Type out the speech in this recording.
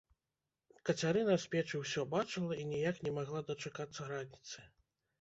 Кацярына з печы ўсё бачыла і ніяк не магла дачакацца раніцы.